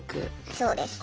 そうです。